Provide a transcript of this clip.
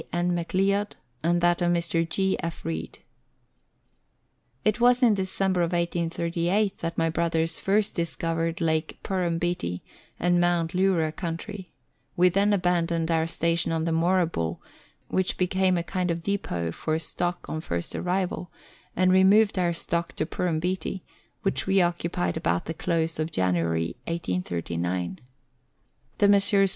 N. McLeod, and that of Mr. G. F. Read. It was in December of 1838 that my brothers first discovered Lake Purrumbete and Mount Leura country ; we then abandoned our station on the Moorabool (which became a kind of depot for stock on first arrival), and removed our stock to Purrumbete, which we occupied about the close 'of January 1839. The Messrs.